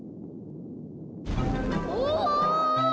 お！